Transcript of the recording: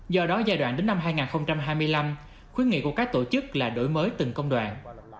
do đó giai đoạn đến năm hai nghìn hai mươi năm khuyến nghị của các tổ chức là đổi mới từng công đoàn